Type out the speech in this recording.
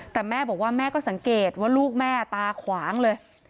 แต่แม่บอกว่าแม่ก็สังเกตว่าลูกแม่ตาขวางเลย